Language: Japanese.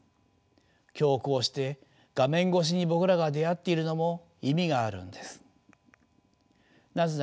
今日こうして画面越しに僕らが出会っているのも意味があるんです。